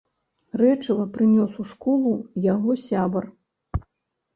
Рэчыва прынёс у школу яго сябар.